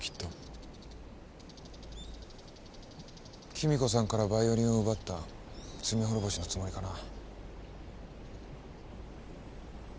貴美子さんからバイオリンを奪った罪滅ぼしのつもりかな。